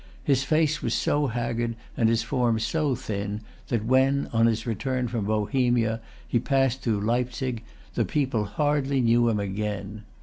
His face was so haggard and his form so thin, that when on his return from Bohemia he passed through Leipsic, the people hardly knew him again.